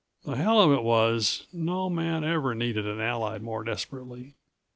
The hell of it was no man ever needed an ally more desperately.